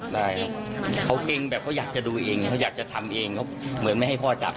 ได้ครับเขาเกรงแบบเขาอยากจะดูเองเขาอยากจะทำเองเขาเหมือนไม่ให้พ่อจับ